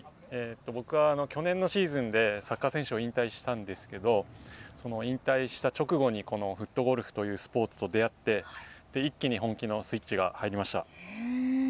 僕は去年のシーズンでサッカー選手を引退したんですけど引退した直後にフットゴルフというスポーツと出会って一気に本気のスイッチが入りました。